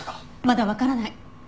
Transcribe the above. まだわからない。